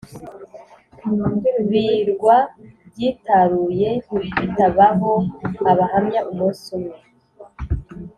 birwa byitaruye bitabaho Abahamya Umunsi umwe